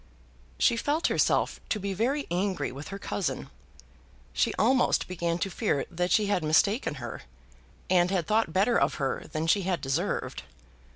She felt herself to be very angry with her cousin. She almost began to fear that she had mistaken her, and had thought better of her than she had deserved.